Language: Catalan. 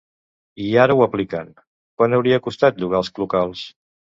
I ara ho apliquen: Quan hauria costat llogar els locals?